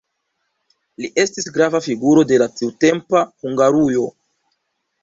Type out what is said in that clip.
Li estis grava figuro de la tiutempa Hungarujo.